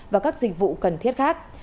và các dịch vụ cần thiết khác